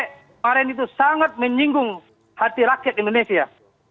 kemarin itu sangat menyinggung hati rakyat indonesia